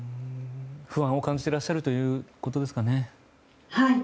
不安を感じていらっしゃるということですね。